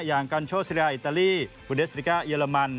อย่างกันโชซิดาอิตาลีบูเดสติก้าเยอรมัน